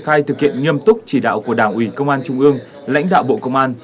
khai thực hiện nghiêm túc chỉ đạo của đảng ủy công an trung ương lãnh đạo bộ công an